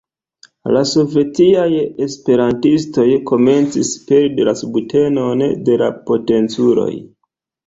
La sovetiaj esperantistoj komencis perdi la subtenon de la potenculoj.